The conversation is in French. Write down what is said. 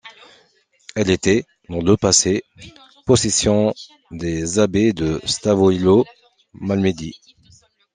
Elle était, dans le passé, possession des abbés de Stavelot-Malmedy.